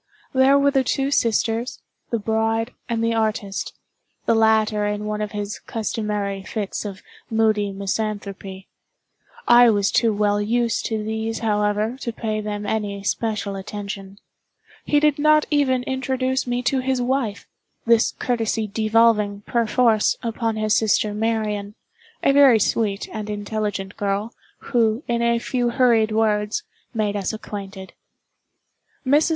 There were the two sisters, the bride, and the artist—the latter in one of his customary fits of moody misanthropy. I was too well used to these, however, to pay them any special attention. He did not even introduce me to his wife—this courtesy devolving, per force, upon his sister Marian—a very sweet and intelligent girl, who, in a few hurried words, made us acquainted. Mrs.